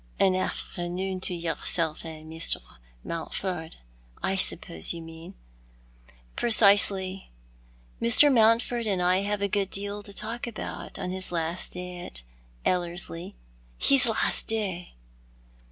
" An afternoon to yourself and Mr. Mountford, I suppose you mean ?"" Precisely. Mr. Mountford and I have a good deal to talk about on his last day at EUerslic." "His last day!"